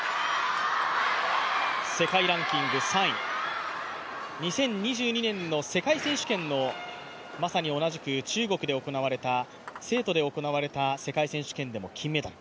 世界ランキング３位、２０２２年の世界選手権のまさに同じく中国の成都で行われた世界選手権でも金メダル。